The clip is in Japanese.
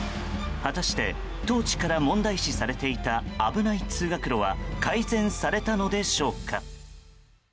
果たして当時から問題視されていた危ない通学路は改善されたのでしょうか。